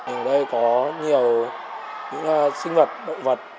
ở đây có nhiều những sinh vật động vật